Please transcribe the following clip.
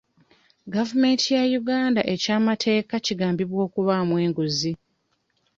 Gavumenti kya Uganda eky'amateeka kigambibwa okubaamu enguzi.